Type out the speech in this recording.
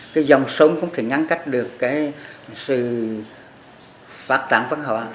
cái dòng sông không thể ngăn cách được cái sự phát tảng văn hóa